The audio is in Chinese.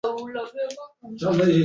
利松站位于利松市区的南部。